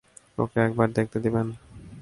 ওকে একবার দেখতে দিবেন?